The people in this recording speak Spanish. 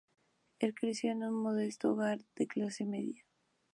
Él creció en un modesto, hogar de clase media.